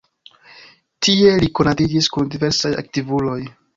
Tie li konatiĝis kun diversaj aktivuloj.